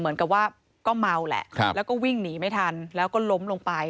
เหมือนกับว่าก็เมาแหละแล้วก็วิ่งหนีไม่ทันแล้วก็ล้มลงไป